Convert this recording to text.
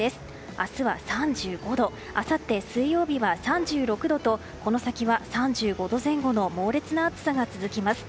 明日は３５度あさって水曜日は３６度とこの先は３５度前後の猛烈な暑さが続きます。